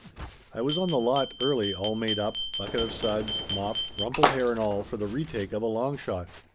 I was on the lot early, all made up, bucket of suds, mop, rumpled hair and all, for the retake of a long shot.